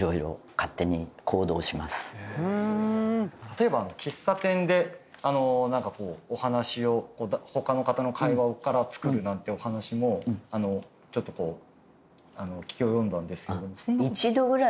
例えば喫茶店でなんかこうお話を他の方の会話から作るなんてお話もちょっとこう聞き及んだんですけども。